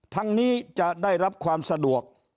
ทั้งนี้จะได้รับความสะดวก